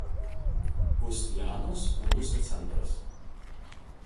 Ust Janos uluso centras.